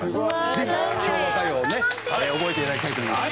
ぜひ昭和歌謡をね覚えて頂きたいと思います。